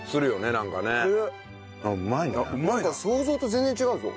なんか想像と全然違うぞ。